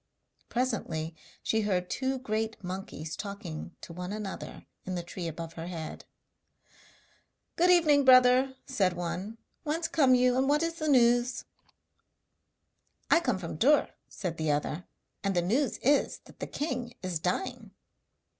Presently she heard two great monkeys talking to one another in the tree above her head. 'Good evening, brother,' said one, 'whence come you and what is the news?' [Illustration: IMANI LISTENS TO WHAT THE MONKEYS SAY] 'I come from Dûr,' said the other, 'and the news is that the king is dying.'